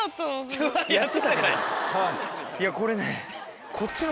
いやこれね。